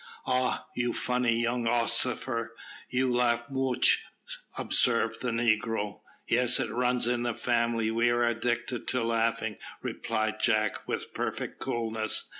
"Ah, you funny young ossifer, you laugh moch," observed the negro. "Yes, it runs in the family, we are addicted to laughing," replied Jack with perfect coolness.